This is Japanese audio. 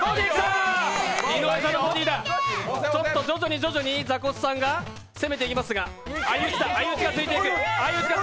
徐々にザコシさんが攻めていきますが、相討ちが続いていく。